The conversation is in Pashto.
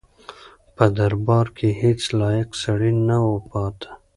په دربار کې هیڅ لایق سړی نه و پاتې.